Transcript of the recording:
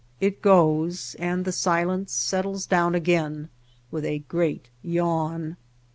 It goes, and the silence settles down again with a great yawn.